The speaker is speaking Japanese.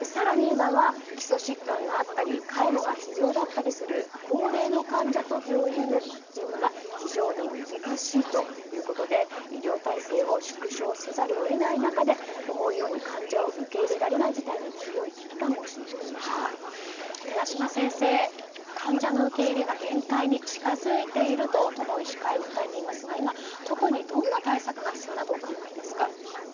更に今は基礎疾患があったり介護が必要だったりする高齢の患者と病院のマッチングが非常に難しいということで医療体制を縮小せざるを得ない中で思うように患者を受け入れられない事態に危機感を寺島先生、患者の受け入れが限界に近付いていると都の医師会は訴えていますが今、特にどんな対策が必要だとお考えですか？